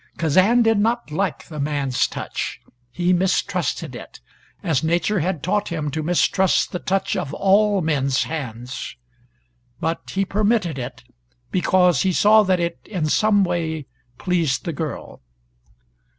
Kazan did not like the man's touch. He mistrusted it, as nature had taught him to mistrust the touch of all men's hands, but he permitted it because he saw that it in some way pleased the girl.